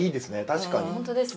確かに。